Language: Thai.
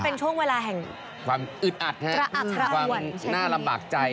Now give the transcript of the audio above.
เป็นช่วงเวลาแห่งความอึดอัดฮะอึดความน่าลำบากใจ